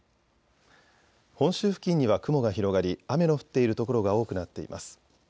本州付近には雲が広がり雨の降っている所が多くなっています。